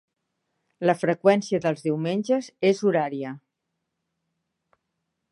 La freqüència dels diumenges és horària.